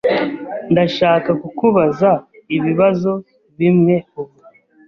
Ndashaka kukubaza ibibazo bimwe ubu.